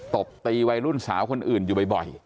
ตบตีวัยรุ่นสาวคนอื่นอยู่บ่อย